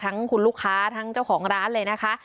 ทั้งคุณลูกค้าทั้งเจ้าของร้านเลยนะคะ